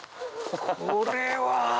これは。